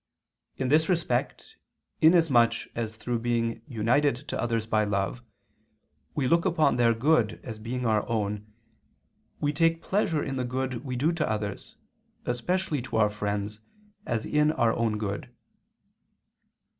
In this respect, inasmuch as through being united to others by love, we look upon their good as being our own, we take pleasure in the good we do to others, especially to our friends, as in our own good.